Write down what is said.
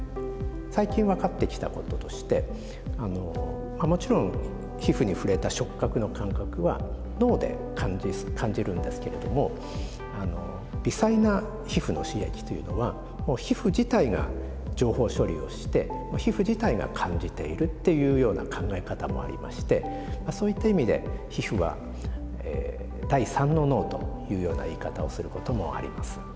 最近分かってきたこととしてもちろん皮膚に触れた触覚の感覚は脳で感じるんですけれども微細な皮膚の刺激というのは皮膚自体が情報処理をして皮膚自体が感じているっていうような考え方もありましてそういった意味で皮膚は第３の脳というような言い方をすることもあります。